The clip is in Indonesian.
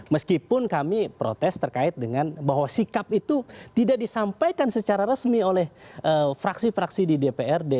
meskipun kami protes terkait dengan bahwa sikap itu tidak disampaikan secara resmi oleh fraksi fraksi di dprd